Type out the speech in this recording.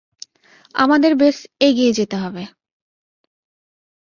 আমাদের ব্যস এগিয়ে যেতে হবে।